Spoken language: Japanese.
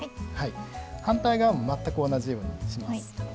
反対側も全く同じようにします。